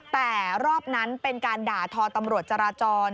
แต่รอบนั้นเป็นการด่าทอตำรวจจราจร